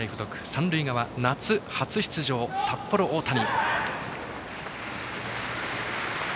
三塁側、夏初出場の札幌大谷。